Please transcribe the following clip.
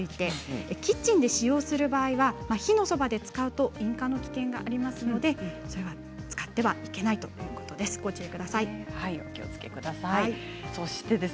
キッチンで使用する場合は火のそばで使うと引火の危険性がありますので使ってはいけないということです。